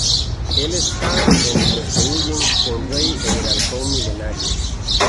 Él está entre los que huyen con Rey en el Halcón Milenario.